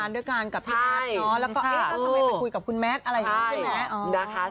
ด้วยการกับพี่อาร์ฟและเอ๊ะก็ทำให้ไปคุยกับคุณแมทอะไรอย่างงี้ใช่ไหม